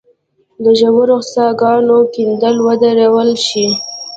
د ژورو څاه ګانو کیندل ودرول شي.